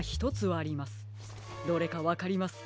どれかわかりますか？